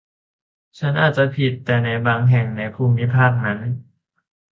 ฉันอาจจะผิด แต่บางแห่งในภูมิภาคนั้น